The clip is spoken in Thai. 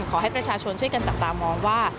ขอให้ประชาชนช่วยกันจับตามองว่า